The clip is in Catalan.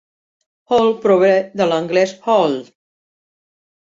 "Ol" prové de l'anglès "all".